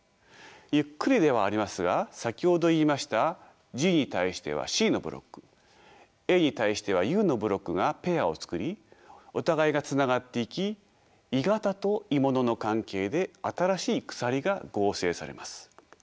ゆっくりではありますが先ほど言いましたＧに対してはＣのブロックＡに対してはＵのブロックがペアを作りお互いがつながっていき鋳型と鋳物の関係で新しい鎖が合成されます。